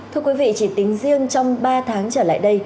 thưa quý vị chỉ tính riêng trong ba tháng trở lại đây